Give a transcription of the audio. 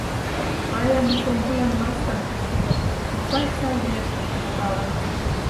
Раян чонжылан ласкан чучеш: могай сай ешыш логалын.